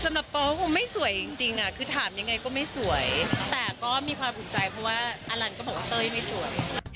โป๊คงไม่สวยจริงคือถามยังไงก็ไม่สวยแต่ก็มีความอุ่นใจเพราะว่าอลันก็บอกว่าเต้ยไม่สวย